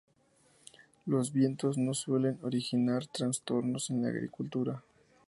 Los vientos no suelen originar trastornos en la agricultura.